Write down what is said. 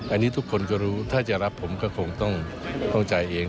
อันนี้ทุกคนก็รู้ถ้าจะรับผมก็คงต้องจ่ายเอง